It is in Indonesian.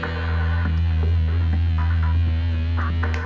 kayaknya dia emang sengaja deh